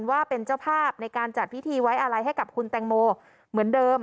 ว่าเป็นเจ้าภาพในการจัดพิธีไว้อะไรให้กับคุณแตงโมเหมือนเดิม